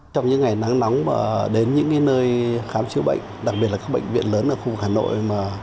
trong những ngày nắng nóng và đến những nơi khám chữa bệnh đặc biệt là các bệnh viện lớn ở khu hà nội